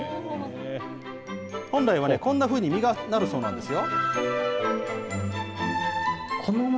本来はこんなふうに実がなるそうなんですよ。